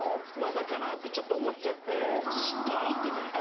嫉妬をあおってるんじゃないか。